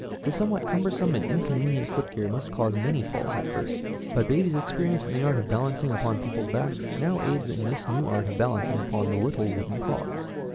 This somewhat cumbersome and inconvenient foot gear must cause many falls at first, but baby's experience in the art of balancing upon people's backs now aids in this new art of balancing upon the little wooden clogs.